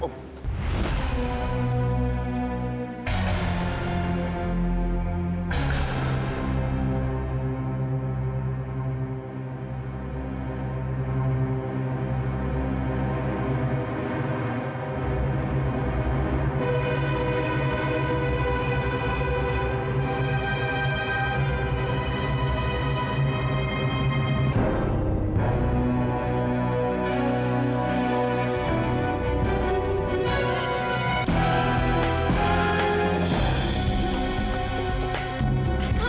comment saya edisi murid